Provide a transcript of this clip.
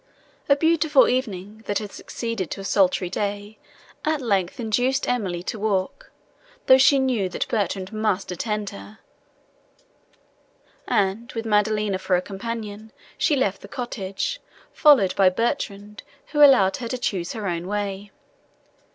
A beautiful evening, that had succeeded to a sultry day, at length induced Emily to walk, though she knew that Bertrand must attend her, and, with Maddelina for her companion, she left the cottage, followed by Bertrand, who allowed her to choose her own way.